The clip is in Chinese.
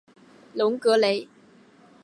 隆格雷。